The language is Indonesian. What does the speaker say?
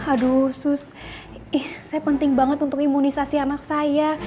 aduh sus ih saya penting banget untuk imunisasi anak saya